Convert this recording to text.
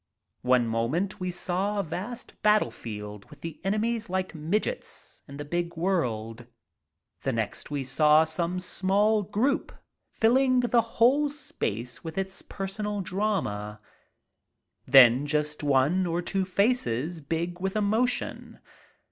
One moment we saw a vast battlefield with the enemies like midgets in the big world, the next we saw some small group filling the whole space with its personal drama; then just one or two faces big with emotion.